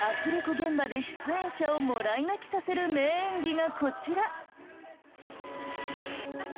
現場で出演者をもらい泣きさせる名演技がこちら。